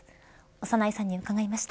長内さんに伺いました。